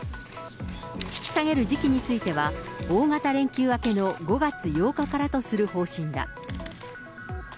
引き下げる時期については、大型連休明けの５月８日からとする方針だ。